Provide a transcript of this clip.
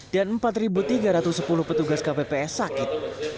dan empat tiga ratus sepuluh petugas kpps sakit